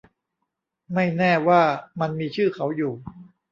ไม่แน่ว่ามันมีชื่อเขาอยู่